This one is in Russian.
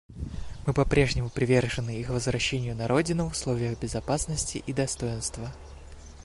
Мы попрежнему привержены их возвращению на родину в условиях безопасности и достоинства.